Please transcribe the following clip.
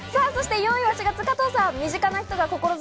４位は４月、加藤さん。